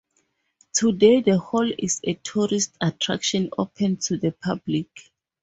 Today the hall is a tourist attraction open to the public.